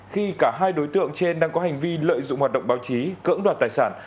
khi cả hai đối tượng trên đang có hành vi lợi dụng hoạt động báo chí cưỡng đoạt tài sản